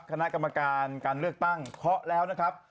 คณะกรรมการการเลือกตั้งเคาะแล้วนะครับ